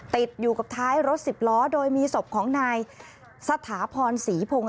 ติดอยู่กับท้ายรถสิบล้อโดยมีศพของนายสถาพรศรีพงศ